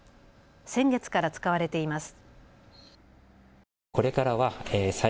先月から使われています。